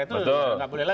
itu sudah tidak boleh lagi